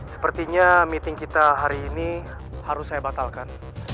sepertinya meeting kita hari ini harus saya batalkan